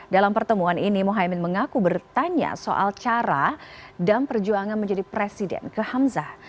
dalam pertemuan ini mohaimin mengaku bertanya soal cara dan perjuangan menjadi presiden ke hamzah